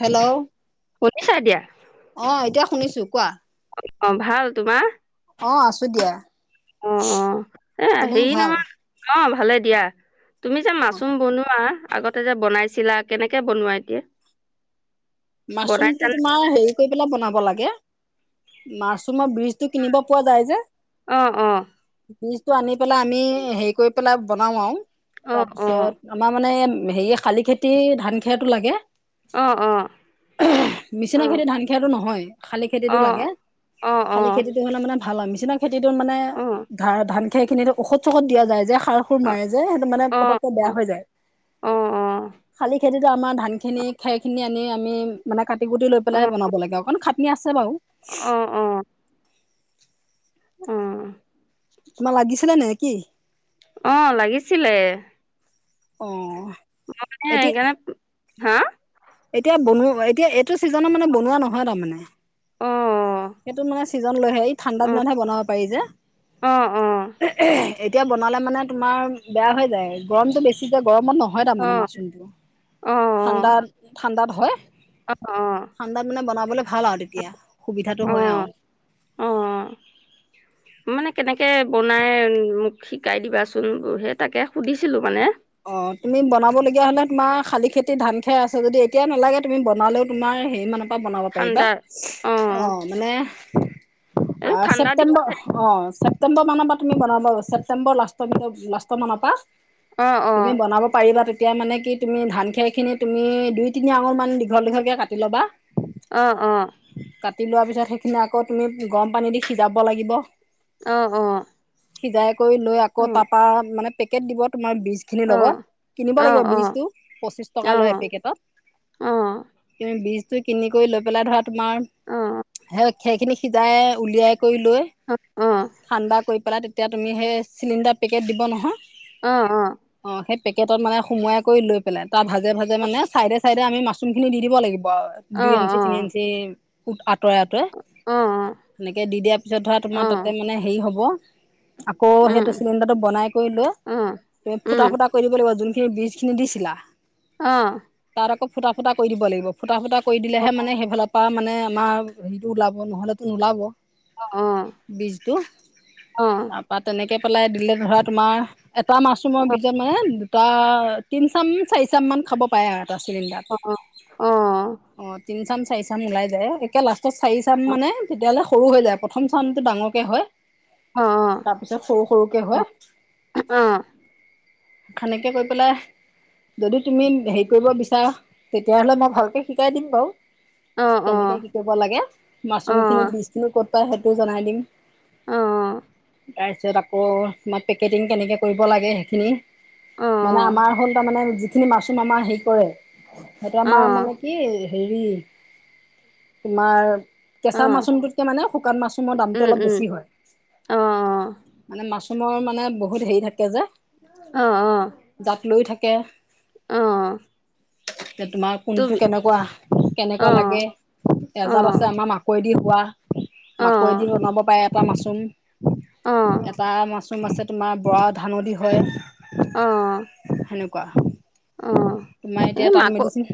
Hello! শুনিছাঁ এতিয়া! অ', এতিয়া শুনিছোঁ, কোৱা? অ' ভাল, তোমাৰ? অ', আছোঁ দিয়া, অ অ এ তোমাৰ হেৰি ভাল! নহয় অ', ভালে দিয়া, তুমি যে অ মাছৰুম বনোৱা। আগতে যে বনাইছিলা, কেনেকে বনোৱা এতিয়া। মচৰুম টো বনাইছানে তোমাৰ হেৰি কৰি পেলাই বনাব লাগে, মাছৰুমৰ বীজটো কিনিব পোৱা যায় যে। অ', অ'। বীজটো আনি পেলাই, আমি হেৰি কৰি পেলাই বনাও আৰু। অ অ তাৰপিছত আমাৰ মানে হেৰি, শালি খেতি ধান খেৰটো লাগে। অ', অ'। অ মেচিনৰ খেতিৰ ধান খেৰটো নহয়। শালি অ অ খেতিটো লাগে, অ অ শালি অ খেতিটো হ'লে মানে ভাল হয়, মেচিনৰ খেতিতো মানে অ ধা ধান খেৰ খিনিতো ঔষধ চষত দিয়া যায় যে, সাৰ [unintelligible] মাৰে যে সেইটো মানে অ অ অ পতক তে বেয়া হৈ যায় শালি খেতিতো আমাৰ ধান খিনি খেৰ খিনি এনে আমি মানে কাটি কুটি লৈ পেলাই বনাব লাগে অকণ খাটনি আছে বাৰু। অ অ অ', তোমাৰ লাগিছে নে, নে কি? অ' লাগিছিলে। অ', মই মানে এতিয়া সেইকাৰণে হা? এতিয়া বনোৱব এতিয়া এইটো ছিজনত মানে বনোৱা নহয় তাৰমানে। অ', এইটোত মানে চিজন লৈহে এই ঠাণ্ডা দিনতহে বনাব পাৰি যে। অ'অ' এতিয়া বনালে মানে তোমাৰ বেয়া হৈ যায় গৰমটো বেছি যে গৰমত ন'। হয় অ তাৰমানে মাচৰুমটো অ ঠাণ্ডাত, ঠাণ্ডাত হয়। ঠাণ্ডাত মানে বনাবলে ভাল আৰু তেতিয়া অ সুবিধাটো হয় আও অ' মানে কেনেকে বনাই মোক শিকাই দিবাচোন বুৰহে তাকে সুধিছিলোঁ মানে অ'তুমি বনাবলগীয়া হলে তোমাৰ শালি খেতি ধান খেৰ আছে যদি এতিয়া নালাগে তুমি বনালেও তোমাৰ হেৰি মানত তাত বনাব পাৰিবা ঠাণ্ডা অ অ'মানে এই আহ ঠাণ্ডা দিন ছেপ্টেম্বৰ অ'ছেপ্টেম্বৰ মানৰ পা তুমি বনাব [unintelligible] ছেপটেম্বৰ লাষ্টৰ পিনে লাষ্টৰ মানৰ পা। অ'অ' তুমি বনাব পাৰিবা তেতিয়া মানে কি তুমি ধান খেৰখিনি তুমি দুই, তিনি আঙুলমান দীঘল দীঘকে কাটি ল'বা। অ' অ' কাটি লোৱা পিছত সেইখিনি আকৌ তুমি গৰম পানী দি সিজাব লাগিব। অ' অ' সিজাই কৰি লৈ অ আকৌ তাপা মানে পেকেট দিব তোমাৰ বিজ খিনিৰ অ লগত কিনিব অ অ লাগিব অ বীজ টো পঁচিছ অ টকা লয় এপেকেটত অ অ তুমি বীজটো কিনি কৰি লৈ পেলাই ধৰা তোমাৰ সেই খেৰ খিনি সিজাই উলিয়াই কৰি লৈ অ' অ' ঠাণ্ডা কৰি পেলাই তেতিয়া তুমি সেই চিলিণ্ডাৰ পেকেট দিব নহয় অ'অ' অ'সেই পেকেটত মানে সুমোৱাই কৰি লৈ পেলাই তাৰ ভাজে, ভাজে মানে চাইডে, চাইডে আমি মাছৰুম খিনি দি দিব লাগিব [unintelligible] দুই ইঞ্চি, তিন ইঞ্চি ফুট আঁতৰাই, আঁতৰাই। অ অ অ সেনেকে দি দিয়াৰ পিছত ধৰা তোমাৰ তাতে মানে হেই হ'ব আকৌ উম সেইটো চিলিণ্ডাৰটো বনাই কৰি লৈ অ', তুমি উম ফুটা, ফুটা কৰি দিব লাগিব যোনখিনিত বীজখিনি দিছিলা। অ', তাত আকৌ ফুটা, ফুটা কৰি দিব লাগিব ফুটা, ফুটা কৰি দিলেহে মানে সেইফালৰ পা মানে আমাৰ হেৰিটো ওলাব নহলেতো নোলাব অ অ অ বীজটো অ অ তাৰপা তেনেকে পেলাই দিলে ধৰা তোমাৰ এটা মাছৰুমৰ বীজত মানে তাৰ তিনচাম, চাৰিচাম মান খাব পাৰে আৰু এটা চিলিণ্ডাৰত। অ অ অ অ অ' তিন চাম, চাৰি চাম ওলাই যায় একে লাষ্টত চাৰি চাম অ মানে তেতিয়াহ'লে সৰু হৈ যায় পত প্ৰথম চাউনটো ডাঙৰকে হয় তাৰপিছত সৰু সৰুকে হয়। অ। সেনেকে কৰি পেলাই যদি তুমি হেৰি কৰিব বিচাৰা তেতিয়াহ'লে মই ভালকে শিকাই দিম বাও। কেনেকে কি কৰিব লাগে, মাছৰুমখিনি বীজখিনি ক'ত পায় সেইটোও জনাই দিম। অ। তাৰপিছত আকৌ তোমাৰ পেকেটিং কেনেকে কৰিব লাগে সেইখিনি। অ মানে আমাৰ হ'ল তাৰ মানে যিখিনি মাছৰুম আমাৰ হেৰি কৰে সেইটো অ অ আমাৰ মানে কি হেৰি তোমাৰ কেচা অ', মাছৰুমটোতকে মানে শুকান মাছৰুমৰ দামটো উম, অলপ উম, বেছি হয়। অ', মানে মাছৰুমৰ মানে বহুত হেৰি থাকে যে। অ অ। জাত লৈও থাকে। অ। এতিয়া তোমাৰ কোনটো তুমি কেনেকুৱা, কেনেকুৱা লাগে। অ', অ', এজাত আছে আমাৰ মাকৈ দি হোৱা অ', মাকৈ দি বনাব পাৰে এটা অ', মাছৰুম। এটা মাছৰুম আছে তোমাৰ বৰা ধানো দি হয়। অ', সেনেকুৱা। অ', তোমাৰ এতিয়া এই তাত মাকৈ মেডিচিন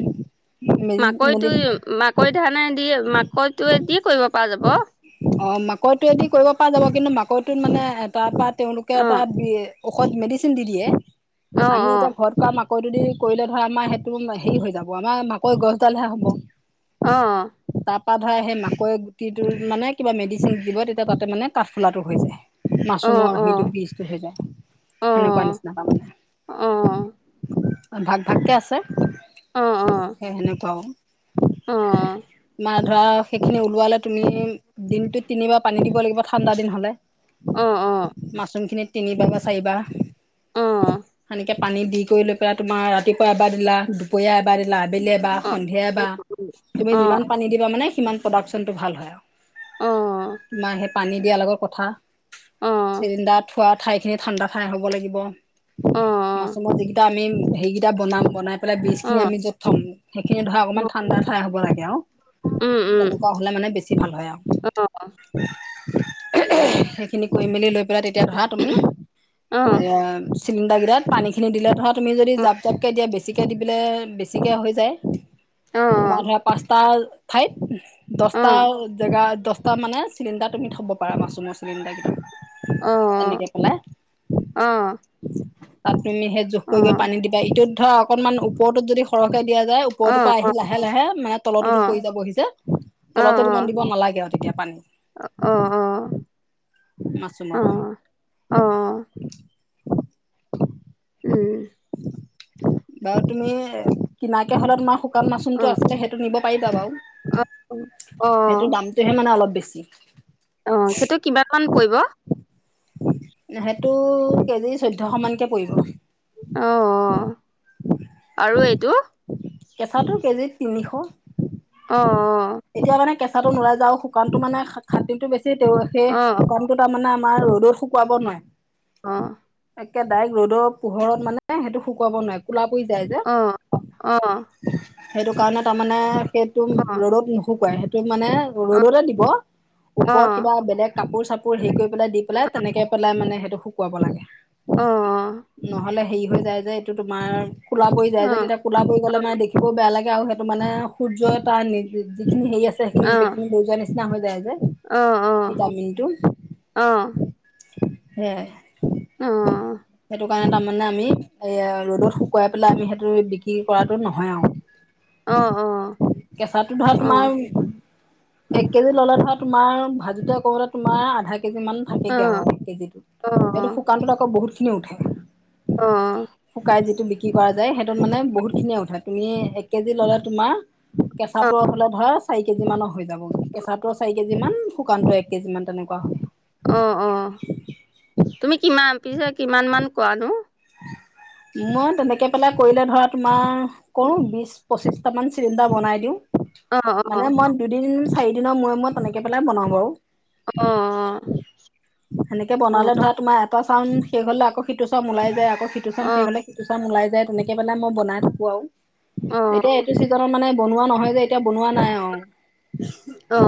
মেডি মাকৈটো মেডি মাকৈ ধানে দি মাকৈটোৱে দি কৰিব পৰা যাব। অ মাকৈটোৱে দি কৰিব পৰা যাব। কিন্তু মাকৈটোত মানে তাৰপা তেওঁলোকে এটা অ', বী ঔষধ মেডিচিন দি দিয়ে অ', আমি অ', এতিয়া ঘৰত ৰা মাকৈটো দি কৰিলে ধৰা আমাৰ সেইটো হেৰি হৈ যাব আমাৰ মাকৈ গছডালহে হ'ব। অ অ। তাৰপা ধৰা সেই মাকৈ গুটিটোত মানে কিবা মেডিচিন দিব, তেতিয়া তাতে মানে কাঠফুলাটো হৈ যায়। অ', মাছৰুমৰ সেইটো অ', বীজটো হৈ যায় অ', সেনেকুৱা অ', নিচিনা তাৰমানে। অ', অ। ভাগ ভাগকে আছে। অ', অ', অ', অ', সেই সেনেকুৱাও আও অ', তোমাৰ ধৰা সেইখিনি ওলোৱালে তুমি দিনটোত তিনিবাৰ পানী দিব লাগিব ঠাণ্ডা দিন হ'লে। অ', মাচৰুমখিনিত তিনিবাৰ বা চাৰিবাৰ সেনেকে পানী দি কৰি লৈ পেলাই তোমাৰ ৰাতিপুৱা এবাৰ দিলা, দুপৰীয়া এবাৰ দিলা আবেলি এবাৰ, সন্ধিয়া এবাৰ তুমি যিমান পানী দিবা মানে সিমান প্ৰডাকচনটো ভাল হয় আৰু। অ। তোমাৰ সেই পানী দিয়াৰ লগত কথা। অ', চিলিণ্ডাৰ থোৱা ঠাইখিনি ঠাণ্ডা ঠাই হ'ব লাগিব, মাছৰুমৰ যিকিটা আমি হেৰিকিটা বনাম বনাই পেলাই বীজখিনি আমি য'ত থম সেইখিনি ধৰা অকমান ঠাণ্ডা ঠাই হ'ব লাগে আও। উম, উম, তেনেকুৱা হ'লে মানে বেছি ভাল হয় আও। সেইখিনি কৰি মেলি লৈ পেলাই তেতিয়া ধৰা অ', তুমি অ', এ চিলিণ্ডাৰগিটাত পানীখিনি দিলে ধৰা তুমি যদি জাপ জাপকে দিয়া বেছিকে দি দিলে বেছিকে হৈ যায়। তোমাৰ ধৰা পাঁচটা ঠাইত টা জেগা দচটা মানে চিলিণ্ডাৰ তুমি থ'ব পাৰা মাচৰুমৰ চিলিণ্ডাৰকিটা। তেনেকে পেলাই। তাত তুমি সেই জোখ কৰি কৰি পানী দিবা ইটোত অ' অকণমান ওপৰতোত যদি সৰহকে দিয়া যায় ওপৰতোত পৰা আহি সি লাহে লাহে মানে তলতোতো পৰি যাব সি যে তলতোতোমান দিব নালাগে আৰু তেতিয়া পানী। অ' অ' [unintelligible] উম। বাৰু তুমি কিনাকে হ'লে তোমাৰ শুকান মাচৰুমটো আছিলে সেইটো নিব পাৰিবা বাউ। অ' অ' তেহে মানে অলপ বেছি। অ' সেইটোত কিমান মান পৰিব? সেইটো কেজি চৈধ্যশ মানকে পৰিব। অ' আৰু এইটো? কেচাটো কেজিত তিনিশ, অ', এতিয়া মানে কেচা তাতো নুলাই যে শুকানটো মানে খাট-খাটনিটো বেছি [unintelligible] সে অ', [unintelligible] মানে আমাৰ ৰ'দত শুকুৱাব অ', নোৱাৰে। কে ডাইৰেক্ট ৰ'দৰ পোহৰত মানে সেইটো শুকুৱাব নোৱাৰে কোলা পৰি যায় যে। অ' অ' সেইটো কাৰণে তাৰমানে সেইটো ৰ'দত নুশুকাই [unintelligible] টোত মানে অ', ৰ'দতে দিব, অ', অ', অ', ওপৰত কিবা বেলেগ কাপোৰ-চাপ পোৰ হেৰি কৰি দি পেলাই তেনেকে পেলাই মানে সেইটো শুকুৱাব লাগে। অ', অ', অ', অ', অ', অ', নহ'লে হেৰি হৈ যায় যে এইটো তোমাৰ কোলা পৰি যায় যে তেতিয়া অ', কোলা পৰি গ'লে মানে দেখিবয়ো বেয়া লাগে। [unintelligible] সেইটো মানে সূৰ্যৰ তাৰ [unintelligible] যিখিনি হেৰি আছে সেইখিনি গোটেই খিনি সূৰ্যৰ নিচিনা হৈ যায় যে। অ' অ' [unintelligible] টো, সেয়াই। সেইটো কাৰণে তাৰমানে আমি এয়া ৰ'দত শুকুৱাই পেলাই আমি সেইটো বিক্ৰী কৰাতো নহয় আউ। কেঁচাটো ধৰা তোমাৰ এক কেজি ল'লে ধৰা তোমাৰ ভাজিতে কৰা তোমাৰ আধাক কেজি মান থাকেগে আউ কেজিত, এইটো শুকানটোত আকৌ বহুত খিনি উঠে। অ', অ', অ', শুকাই যিটো বিক ক্ৰী কৰে যে সেইটোত মানে বহুত খিনিয়ে উঠে তুমি এক কেজি ল'লে তোমাৰ কেঁচা তোৰ ফালে ধৰা চাৰি কেজি মানৰ হৈ যাব কেঁচাটোৰ চাৰি কেজি মান শুকানটো এক কেজি মান তেনেকুৱা হ'ব। অ' অ' তুমি কিমান পিছে কিমান মান কৰানো? মই তেনেকে পেলাই কৰিলে ধৰা তোমাৰ, কৰোঁ বিশ। পঁচিশটা মান চিলিণ্ডাৰ বনাই দিওঁ, অ অ মানে মই দুদিন চাৰি দিনৰ মূৰে, মূৰে তেনেকে পেলাই বনাওঁ বাউ। অ, অ' সেনেকে বনালে ধৰা তোমাৰ এটা [unintelligible] শেষ হ'লে আকৌ সিটো [unintelligible] উলাই যায় আকৌ সিটো [unintelligible] শেষ অ হ'লে এটো [unintelligible] উলাই যায় তেনেকে মানে মই বনাই থাকোঁ আৰু, অ অ এতিয়া এইটো চিজনত মানে বনোৱা নহয় যে এতিয়া বনোৱা নাই অ আউ,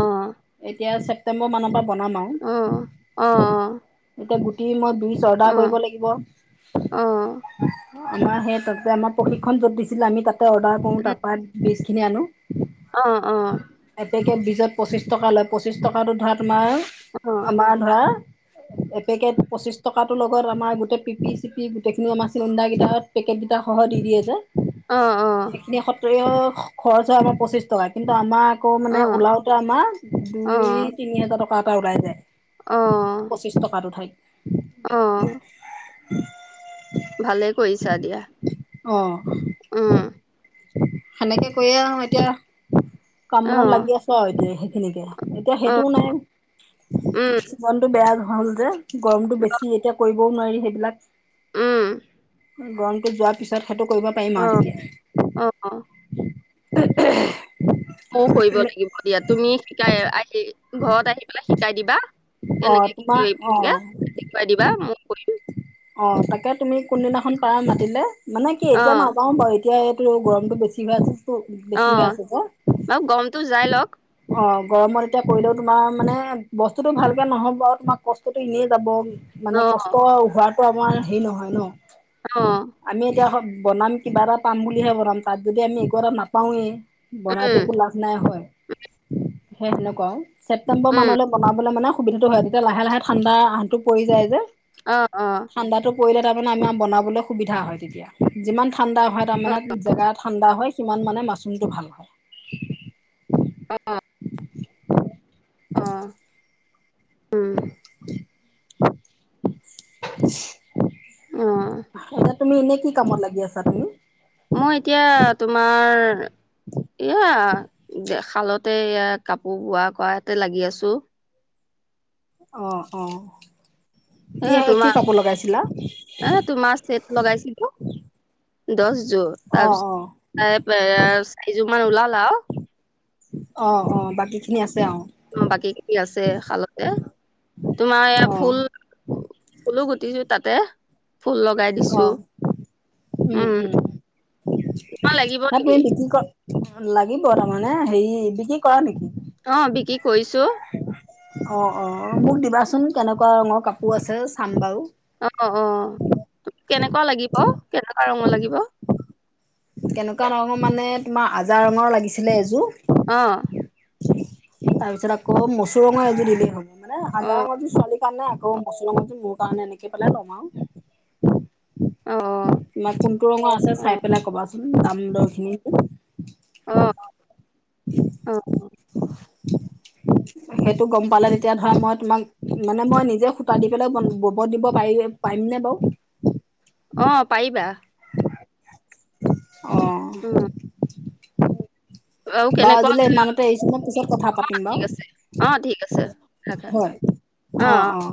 এতিয়া চেপ [unintelligible] মানৰ পৰা বনাম আউ। [unintelligible] এতিয়া গুটি মই [unintelligible] কৰিব লাগিব। আমাৰ অ সেই প্ৰক্ৰিয়া আমাৰ প্ৰশিক্ষণ য'ত দিছিলে আমি তাতে অৰ্ডাৰ কৰো তাৰ পৰা বিজ খিনি আনো। অ, অ। এপেকে বীজত পঁচিছ টকা লয়, পঁচিছ টকাটো ধৰা তোমাৰ, আমাৰ ধৰা এপেকেট পঁচিশ টকাটো লগত আমাৰ গোটেই পিপি-চিপি গোটেইখিনি আমাৰ চিন্দা কেইটা পেকেট গিতাটা সহটি দিয়ে যে। সেইখিনি সত্ৰ খৰচ হয় আমাৰ পঁচিশ টকা কিন্তু আমাৰ আকৌ মানে ওলাওতে আমাৰ অ অ দুই-তিনি হাজাৰ টকা এটা ওলাই যায়। অ। পঁচিছ টকাত [unintelligible] অ। [inaudible] ভালে কৰিছা দিয়া। অ। উম। সেনেকে কৈয়ে এতিয়া অ কাম-বনত লাগি আছো আৰু এতিয়া সেইখিনিকে। এতিয়া অ সেইটোও নাই। উম গৰমটো বেয়া হ'ল যে, গৰমতটো বেছি এতিয়া কৰিবও নোৱাৰি সেইবিলাক। উম গৰমটো যোৱাৰ পিছত সেতু কৰিব পাৰিম অ আৰু তেতিয়া। অ। [unintelligible] ময়ো কৰিব তুমি লাগিব দিয়া, তুমি শিকাই আহি ঘৰত আহি পেলাই শিকাই দিবা। অ কেনেকে কি কি তোমাৰ [unintelligible] অ দেখোই দিবা ময়ো কৰিম। অ তাকে তুমি কোনদিনাখন পাৰ মাতিলে মানে কি এতিয়া অ', নাযাও বাৰু এতিয়া এইটো গৰমটো বেছি হৈ আছেটো বেছি হৈ অ', আছে যে। বাৰু গমটো যাই লওক। অ গৰমত এতিয়া কৰিলেও তোমাৰ মানে বস্তুটো ভালকে নহ'ব আৰু তোমাৰ কষ্টতটো এনেই যাব। মানে কষ্ট অ', হোৱাটো আমাৰ হেৰি নহয় ন। অ। আমি এতিয়া বনাম কিবা এটা পাম বুলিহে বনাম, তাত যদি আমি একো এটা নাপাওঁয়ে বনাইতো একো উম, লাভ নাই হয়, সেই সেনেকুৱা আও। ছেপটেম্বৰ উম, মানলৈ বনাবলৈ মানে সুবিধাটো হয়। তেতিয়া লাহে লাহে ঠাণ্ডা আঁহটো পৰি যায় যে। অ', অ', ঠাণ্ডাটো পৰিলে তাৰমানে আমাৰ বনাবলৈ সুবিধা হয় তেতিয়া। যিমান ঠাণ্ডা হয় তাৰ অ', মানে জেগা ঠাণ্ডা হয় সিমান মানে মাছৰুমটো ভাল হয়। অ, অ। অ উম। অ', [unintelligible] তুমি এনে কি কামত লাগি আছা তুমি? মই এতিয়া তোমাৰ এয়া দে খালতে এয়া কাপোৰ বোৱা কৰা এতে লাগি আছো। অ, অ। কি এ কি কাপোৰ লগাইছিলা? তোমাৰ এ তোমাৰ চেট লগাইছিলো। দছ যোৰ, অ', অ', তাৰপিছত এ চাৰি যোৰ মান ওলাল আও। অ অ বাকী খিনি আছে আও। অ বাকী খিনি আছে শালতে। তোমাৰ এই অ', ফুল ফুলো গুটিছো তাতে, ফুল লগাই দিছো। অ', উম উম তোমাক লাগিব হ নেকি? তুমি বিক্ৰী কৰ লাগিব তাৰমানে হেৰি, বিক্ৰী কৰা নেকি? অ', বিকি কৰিছোঁ। উম', অ', -অ', মোক দিবাচোন কেনেকুৱা ৰঙৰ কাপোৰ আছে, চাম বাৰু। অ', -অ', কেনেকুৱা লাগিব, কেনেকুৱা ৰঙৰ লাগিব। কেনেকুৱা ৰঙৰ মানে তোমাৰ আজা ৰঙৰ লাগিছিলে এযোৰ। অঁ',। তাৰ পিছত মচুৰ ৰঙৰ এযোৰ দিলেই হ'ব মানে আজাৰ ৰঙৰ দি ছোৱালীক। সেইকাৰণে আকৌ মচুৰ ৰঙটো মোৰ কাৰণে এনেকে পালেই লম আৰু। অ তোমাৰ কোনটো ৰঙৰ আছে অ চাই পিনে কবাচোন দাম-দৰ খিনিটো। অ', অ', -অ',। সেইটো গম পালে তেতিয়া ধৰা মই তোমাক মানে মই নিজে সুতা দি পেলাই বন-ববত দিব পাৰি। পাৰিম নে বাৰু? অ', পাৰিবা। উ অহ'। [unintelligible] [unintelligible] বা কেনেকুৱা আজিলে ইমানতে এৰিছোঁ মই পিছত কথা পাতিম ঠিক আছে অ ঠিক আছে বাৰু, ৰাখা হয়। অ', -অ',।